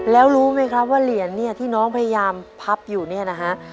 แล้วรู้ไหมครับว่าเหรียญเนี่ยที่น้องพยายามพับอยู่เนี่ยนะฮะ